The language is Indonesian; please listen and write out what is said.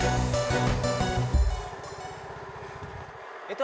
siapa nambah brent